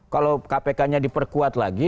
kalau kpk nya diperkuat lagi